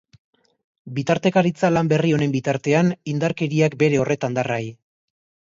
Bitartekaritza lan berri honen bitartean, indarkeriak bere horretan darrai.